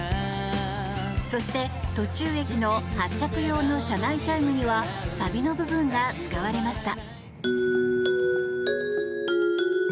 そして、途中駅の発着用の車内チャイムにはサビの部分が使われました。